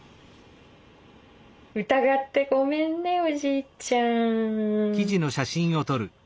疑ってごめんねおじいちゃん。